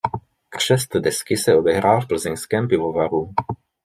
Křest desky se odehrál v plzeňském pivovaru.